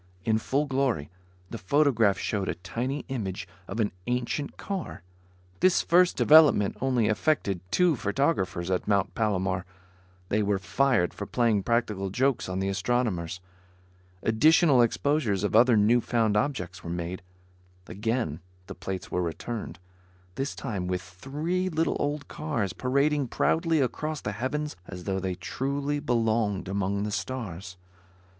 In full glory, the photograph showed a tiny image of an ancient car. This first development only affected two photographers at Mount Palomar. They were fired for playing practical jokes on the astronomers. Additional exposures of other newfound objects were made. Again the plates were returned; this time with three little old cars parading proudly across the heavens as though they truly belonged among the stars.